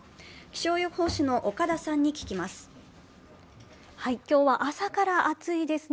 気象予報士の岡田さんに聞きます。